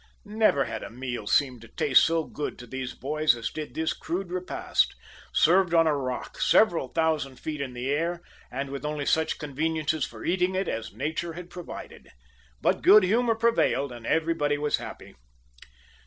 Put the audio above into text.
Never had a meal seemed to taste so good to these boys as did this crude repast, served on a rock several thousand feet in the air and with only such conveniences for eating it as nature had provided. But good humor prevailed and everybody was happy.